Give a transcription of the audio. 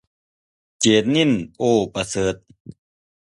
เจนนิษฐ์ โอ่ประเสริฐ